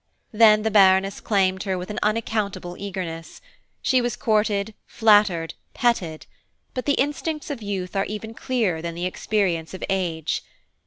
Then the Baroness claimed her with an unaccountable eagerness. She was courted, flattered, petted; but the instincts of youth are even clearer than the experience of age.